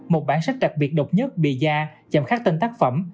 một bản sách đặc biệt độc nhất bị gia chẳng khác tên tác phẩm